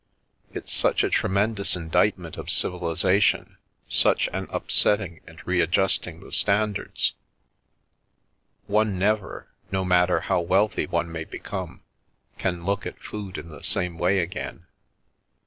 It's such a tremen dous indictment of civilisation, such an upsetting and readjusting of standards. One never, no matter how wealthy one may become, can look at food in the same way again.